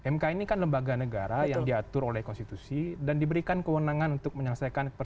mk ini kan lembaga negara yang diatur oleh konstitusi dan diberikan kewenangan untuk menyelesaikan persoalan